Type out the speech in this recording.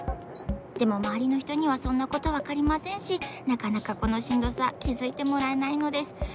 でもまわりのひとにはそんなことわかりませんしなかなかこのしんどさきづいてもらえないのです。